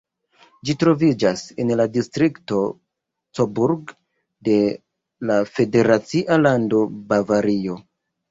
Ĝi troviĝas en la distrikto Coburg de la federacia lando Bavario.